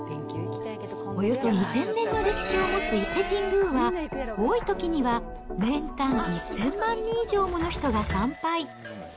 およそ２０００年の歴史を持つ伊勢神宮は、多いときには年間１０００万人以上もの人が参拝。